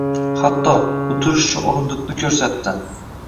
Hatto, o`tirish uchun o`rindiqni ko`rsatdi